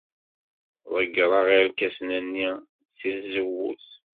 Ḍeggreɣ irkasen-nni seg tzewwut.